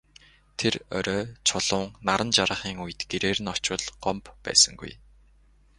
Тэр орой Чулуун наран жаргахын үед гэрээр нь очвол Гомбо байсангүй.